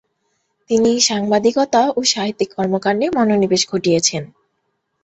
তিনি সাংবাদিকতা ও সাহিত্যিক কর্মকাণ্ডে মনোনিবেশ ঘটিয়েছেন।